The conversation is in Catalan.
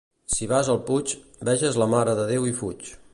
Si vas al Puig, veges la Mare de Déu i fuig.